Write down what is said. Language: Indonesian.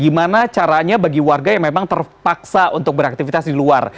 gimana caranya bagi warga yang memang terpaksa untuk beraktivitas di luar